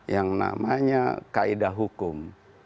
yang namanya kaedah hukum